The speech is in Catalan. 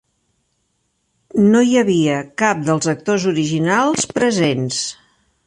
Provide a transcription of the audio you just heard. No hi havia cap dels actors originals presents.